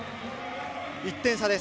１点差です。